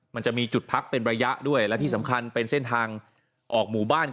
มันจะมีจุดพักเป็นระยะด้วยและที่สำคัญเป็นเส้นทางออกหมู่บ้าน